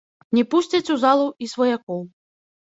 Не пусцяць у залу і сваякоў.